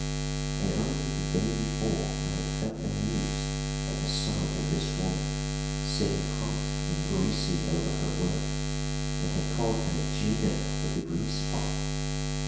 And only the day before I had felt amused at the sight of this woman sitting hot and greasy over her work, and had called her Juno of the grease pot!